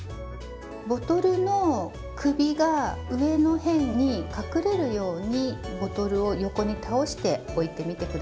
ボトルの首が上の辺に隠れるようにボトルを横に倒して置いてみて下さい。